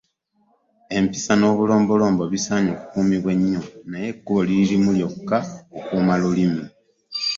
Empisa n’obulombolombo bisaanye okukuumibwa ennyo naye ekkubo liri limu lyokka kukuuma lulimi.